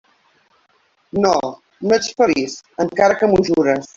No, no ets feliç..., encara que m'ho jures.